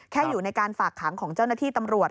อยู่ในการฝากขังของเจ้าหน้าที่ตำรวจ